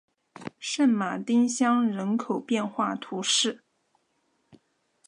圣马丁乡人口变化图示